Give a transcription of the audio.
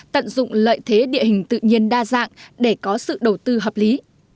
tận dụng lợi thế địa hình tự nhiên đa dạng để có sự đầu tư hợp lý